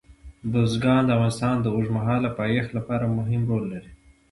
بزګان د افغانستان د اوږدمهاله پایښت لپاره مهم رول لري.